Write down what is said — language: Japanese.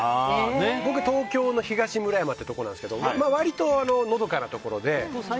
僕、東京の東村山というところなんですけど割とのどかなところで。